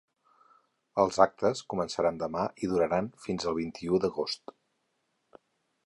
Els actes començaran demà i duraran fins el vint-i-u d’agost.